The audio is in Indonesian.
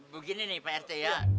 begini nih pak rt ya